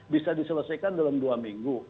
bisa diselesaikan dalam dua minggu